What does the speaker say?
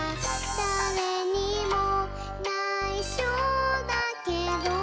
「だれにもないしょだけど」